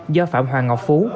do phạm hoàng ngọc phú